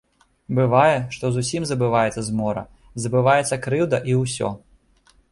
Бывае, што зусім забываецца змора, забываецца крыўда і ўсё.